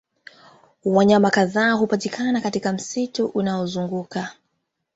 Wanyama kadhaa hupatikana katika msitu unaozunguka